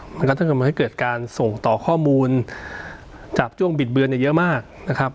มันก็ต้องการให้เกิดการส่งต่อข้อมูลจากช่วงบิดเบือนเนี้ยเยอะมากนะครับ